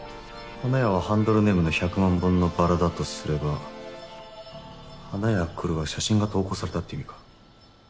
花屋はハンドルネームの百万本のバラだとすれば「花屋来る」は写真が投稿されたって意味か。